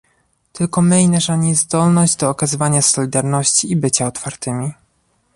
tylko my i nasza niezdolność do okazania solidarności i bycia otwartymi